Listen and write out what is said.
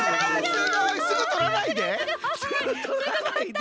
すごい！すぐとらないで！